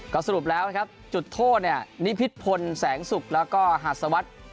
ก็สรุปแล้วนะครับจุดโทษเนี่ยนิพิษพลแสงสุกแล้วก็หัสวัสดิ์